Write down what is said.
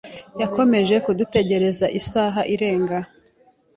Yakomeje kudutegereza isaha irenga.